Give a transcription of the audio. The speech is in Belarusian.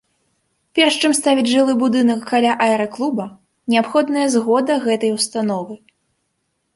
Перш чым ставіць жылы будынак каля аэраклуба, неабходная згода гэтай установы.